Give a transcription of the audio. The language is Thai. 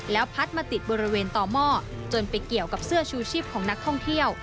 แล้วพัดมาติดบริเวณต่อหม้อจนไปเกี่ยวกับเสื้อชูชีพของนักท่องเที่ยว